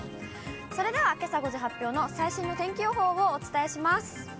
それでは、けさ５時発表の最新の天気予報をお伝えします。